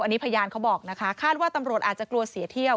อันนี้พยานเขาบอกนะคะคาดว่าตำรวจอาจจะกลัวเสียเที่ยว